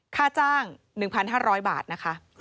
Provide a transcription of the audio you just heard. ค่าจ้าง๑๕๐๐บาทนะคะ